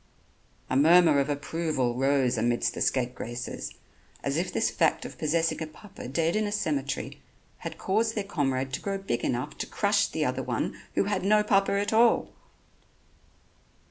A murmur of approval rose amidst the scapegraces, as if this fact of possessing a papa dead in a cemetery had caused their comrade to grow big enough to crush the other one who had no papa at all.